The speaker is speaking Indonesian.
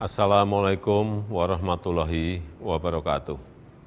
assalamu'alaikum warahmatullahi wabarakatuh